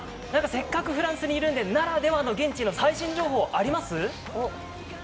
せっかくフランスにいるのでフランスならではの現地の最新情報、あります？